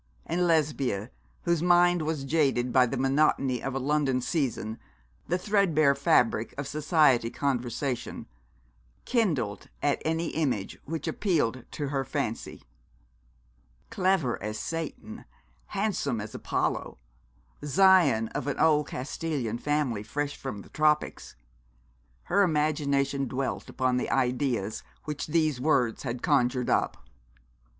And Lesbia, whose mind was jaded by the monotony of a London season, the threadbare fabric of society conversation, kindled at any image which appealed to her fancy. Clever as Satan, handsome as Apollo, scion of an old Castilian family, fresh from the tropics. Her imagination dwelt upon the ideas which these words had conjured up.